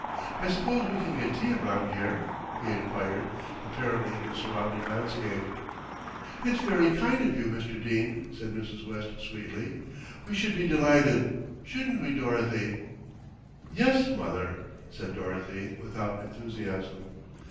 I suppose we can get tea around here?" he enquired, apparently of the surrounding landscape. "It's very kind of you, Mr. Dene," said Mrs. West sweetly. "We should be delighted, shouldn't we, Dorothy?" "Yes, mother," said Dorothy without enthusiasm.